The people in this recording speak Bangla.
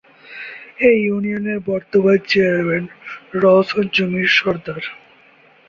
এ ইউনিয়নের বর্তমান চেয়ারম্যান রওশন জমির সর্দার।